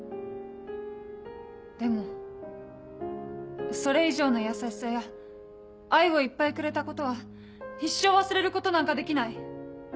でもそれ以上の優しさや愛をいっぱいくれたことは一生忘れることなんかできない。